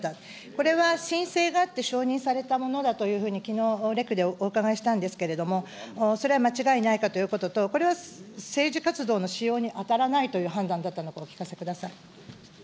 これは、申請があって、承認されたものだというふうにきのう、レクでお伺いしたんですけれども、それは間違いないかということと、これは政治活動の使用に当たらないという判断だったのか、お聞かせください。